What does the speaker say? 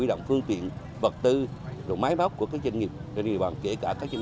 án phương tiện vật tư rồi máy móc của các doanh nghiệp doanh nghiệp bằng kể cả các doanh